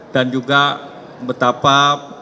dan juga betapa caleg partai golkar